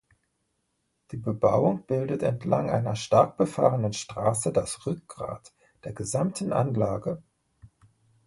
Die Bebauung bildet entlang einer stark befahrenen Straße das Rückgrat der gesamten Anlage.